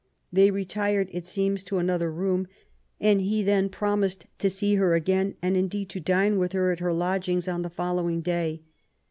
They retired, it seems, ta another room, and he then promised to see her again, and indeed to dine with her at her lodgings on the following day.